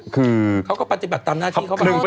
เขาก็ปฏิบัติตามหน้าที่เขา